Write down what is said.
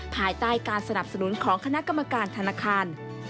ภายใต้การสนับสนุนของคณะกรรมการธนาคาร